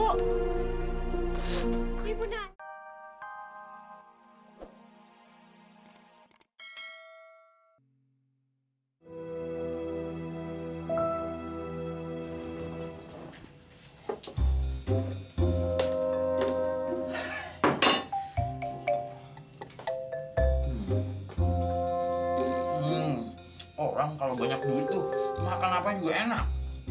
hmm orang kalau banyak duit tuh makan apa juga enak